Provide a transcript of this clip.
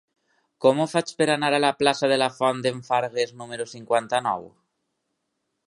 Com ho faig per anar a la plaça de la Font d'en Fargues número cinquanta-nou?